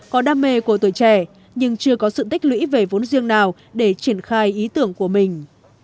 có đam mê của tuổi trẻ nhưng chưa có sự tích lũy về vốn riêng nào để triển khai ý tưởng của mình